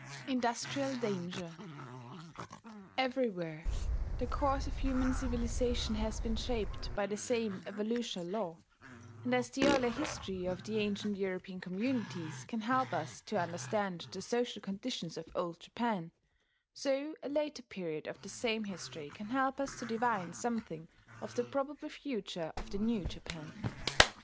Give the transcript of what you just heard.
INDUSTRIAL DANGER Everywhere the course of human civilization has been shaped by the same evolutional law; and as the earlier history of the ancient European communities can help us to understand the social conditions of Old Japan, so a later period of the same history can help us to divine something of the probable future of the New Japan.